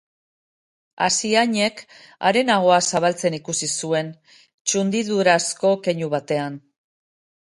Asiainek haren ahoa zabaltzen ikusi zuen, txundidurazko keinu batean.